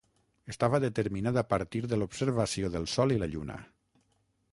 Estava determinat a partir de l'observació del sol i la lluna.